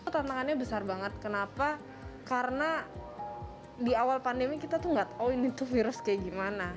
tantangannya besar banget kenapa karena di awal pandemi kita tuh gak tau ini tuh virus kayak gimana